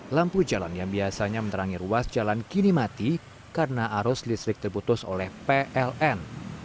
lampu jalan yang biasanya menerangi ruas jalan kini mati karena arus listrik terputus oleh pln